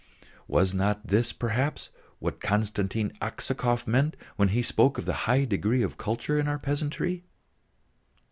Was not this, perhaps, what Konstantin Aksakov meant when he spoke of the high degree of culture of our peasantry?